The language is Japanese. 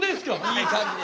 いい感じに。